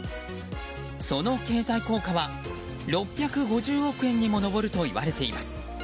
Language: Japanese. その経済効果は６５０億円にも上るといわれています。